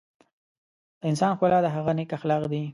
د انسان ښکلا د هغه نیک اخلاق دي.